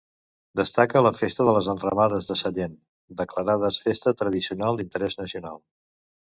Destaca la festa de les enramades de Sallent, declarades festa tradicional d'interès nacional.